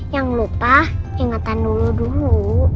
yang lupa ingatan dulu dulu